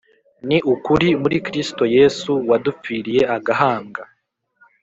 Ni ukuri muri Kristo Yesu wadupfiriye agahambwa